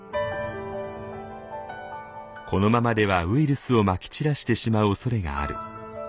このままではウイルスをまき散らしてしまうおそれがある。